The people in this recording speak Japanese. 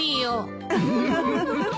ウフフフフ。